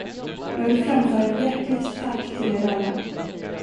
Jag vill framföra ett hjärtligt tack till er alla.